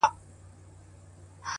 دا پته نشته چې ولې